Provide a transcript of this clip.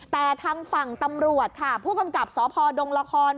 แต่ทางฝั่งตำรวจค่ะผู้กำกับสพดงละคร